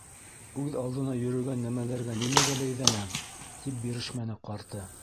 Үҙ алдына йөрөгән нәмәләргә нимәгә бәйҙәнәң? - тип бирешмәне ҡарты.